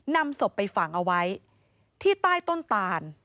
นำศพไปฝังเอาไว้ที่ใต้ต้นตาน